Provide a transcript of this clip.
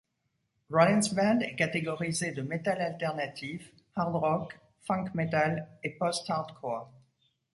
Rollins Band est catégorisé de metal alternatif, hard rock, funk metal, et post-hardcore.